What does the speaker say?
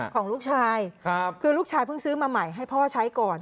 ของลูกชายคือลูกชายเพิ่งซื้อมาใหม่ให้พ่อใช้ก่อน